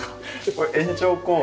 これ延長コード。